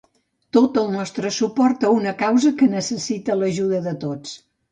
Tot el nostre suport a una causa que necessita l'ajuda de tots.